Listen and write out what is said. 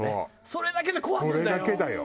それだけで壊すんだよ。